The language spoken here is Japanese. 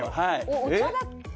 お茶だっけ？